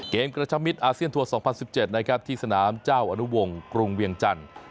เกมกระชับมิตรอาเซียนทัวร์๒๐๑๗ที่สนามเจ้าอนุวงกรุงเวียงจันทร์